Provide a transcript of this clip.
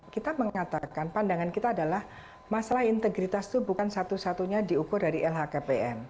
kita mengatakan pandangan kita adalah masalah integritas itu bukan satu satunya diukur dari lhkpn